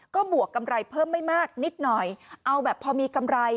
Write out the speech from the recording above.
ก็บวกกำไรเพิ่มไม่มากนิดหน่อยเอาแบบพอมีกำไร